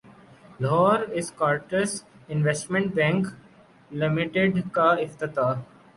Lahore Escorts investment bank لمیٹڈکاافتتاح